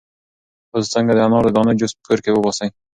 تاسو څنګه د انار د دانو جوس په کور کې وباسئ؟